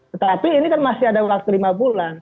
tetapi ini kan masih ada waktu lima bulan